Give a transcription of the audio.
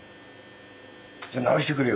「じゃあ治してくれよ」